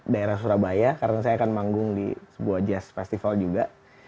daerah surabaya karena saya akan manggung di sebuah jazz festival juga